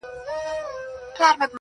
پایښت له ثابت قدمۍ راځي,